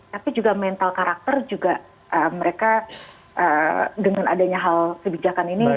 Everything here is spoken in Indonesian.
tapi juga mental karakter juga mereka dengan adanya hal kebijakan ini